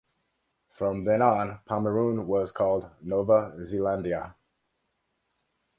From then on Pomeroon was called 'Nova Zeelandia'.